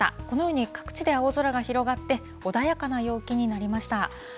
このように各地で青空が広がって、穏やかな陽気になりました。